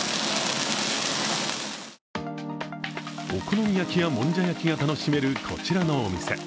お好み焼きやもんじゃ焼きが楽しめるこちらのお店。